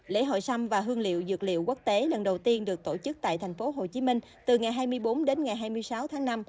lễ hội sâm và hương liệu dược liệu quốc tế lần đầu tiên được tổ chức tại tp hcm từ ngày hai mươi bốn đến ngày hai mươi sáu tháng năm